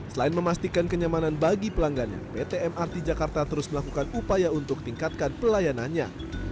selain memastikan kenyamanan bagi pelanggannya pt mrt jakarta terus melakukan upaya untuk tingkatkan pelayanannya